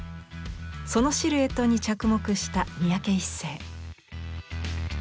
そのシルエットに着目した三宅一生。